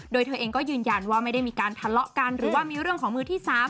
โดยเธอเองก็ยืนยันว่าไม่ได้มีการทะเลาะกันหรือว่ามีเรื่องของมือที่๓